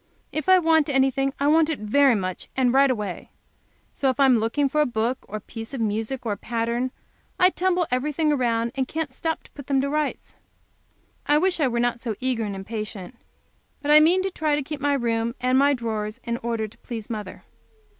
If I want anything, I want it very much, and right away. So if I am looking for a book, or a piece of music, or a pattern, I tumble everything around, and can't stop to put them to rights. I wish I were not so eager and impatient. But I mean to try to keep my room and my drawers in order, to please mother.